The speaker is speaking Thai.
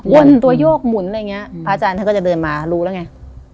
วนตัวโยกหมุนอะไรอย่างเงี้ยพระอาจารย์ท่านก็จะเดินมารู้แล้วไง